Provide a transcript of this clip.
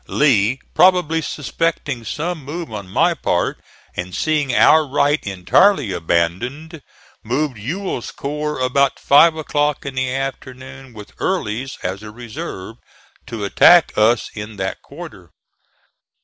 Lee, probably suspecting some move on my part, and seeing our right entirely abandoned, moved Ewell's corps about five o'clock in the afternoon, with Early's as a reserve, to attack us in that quarter.